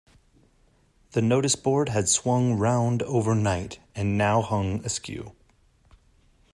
The noticeboard had swung round overnight, and now hung askew.